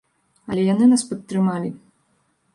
Але яны нас падтрымалі.